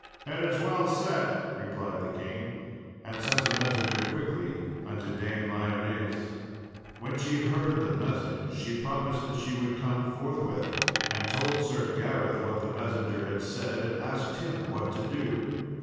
"It is well said," replied the king; and sent a messenger quickly unto Dame Lyones. When she heard the message she promised she would come forthwith, and told Sir Gareth what the messenger had said, and asked him what to do.